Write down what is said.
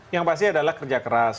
yang pasti adalah kerja keras